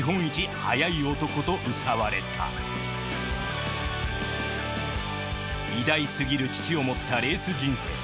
速い男とうたわれた偉大過ぎる父を持ったレース人生。